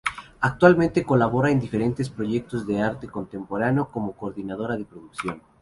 Actualmente colabora en diferentes proyectos de arte contemporáneo como coordinadora de producción.